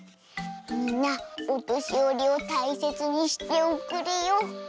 みんなおとしよりをたいせつにしておくれよ。